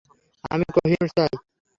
আমি কোহিনূর চাই!